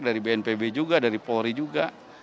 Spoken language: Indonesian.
dari bnpb juga dari polri juga